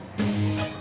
lele punya disapa